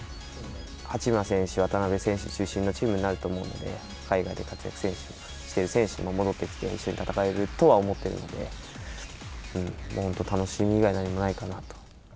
八村選手、渡邊選手、中心のチームになると思うので、海外で活躍している選手も戻ってきて一緒に戦えるとは思ってるんで、本当に楽しみ以外何もないかなと。